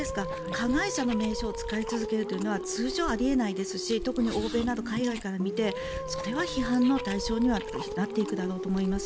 加害者の名称を使い続けるというのは通常はあり得ないですし特に欧米など海外から見てそれは批判の対象にはなっていくだろうと思います。